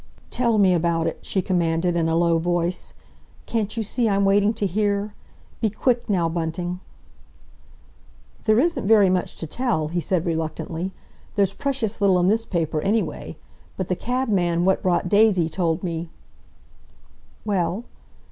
"Tell me about it," she commanded, in a low voice. "Can't you see I'm waiting to hear? Be quick now, Bunting!" "There isn't very much to tell," he said reluctantly. "There's precious little in this paper, anyway. But the cabman what brought Daisy told me—" "Well?"